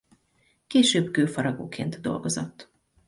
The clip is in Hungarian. Később kőfaragóként dolgozott.